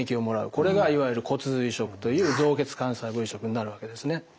これがいわゆる骨髄移植という造血幹細胞移植になるわけですね。